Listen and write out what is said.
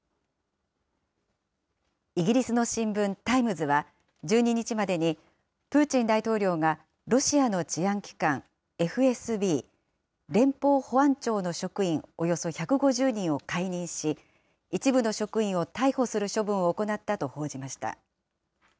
イギリスの新聞、タイムズは、１２日までに、プーチン大統領がロシアの治安機関、ＦＳＢ・連邦保安庁の職員およそ１５０人を解任し、一部の職員を逮捕する処分を行ったと報じました。